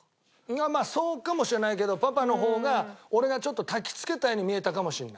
まあまあそうかもしれないけどパパの方が俺がちょっと焚きつけたように見えたかもしれない。